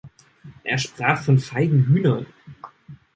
Er sprach von "feigen Hühnern".